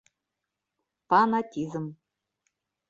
Фанатизм...